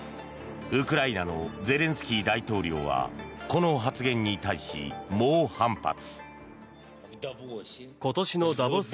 ウクライナのゼレンスキー大統領はこの発言に対し猛反発。